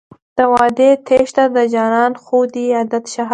د وعدې تېښته د جانان خو دی عادت شهابه.